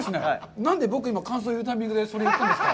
何で、僕、今、感想を言うタイミングでそれを言ったんですか。